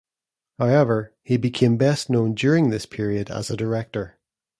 However, he became best known during this period as a director.